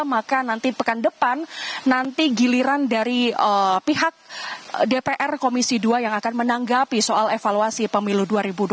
maka nanti pekan depan nanti giliran dari pihak dpr komisi dua yang akan menanggapi soal evaluasi pemilu dua ribu dua puluh